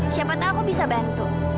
siapa tau aku bisa bantu